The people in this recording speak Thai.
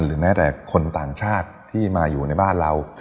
แม้แต่คนต่างชาติที่มาอยู่ในบ้านเรา